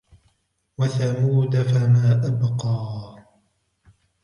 وَثَمُودَ فَمَا أَبْقَى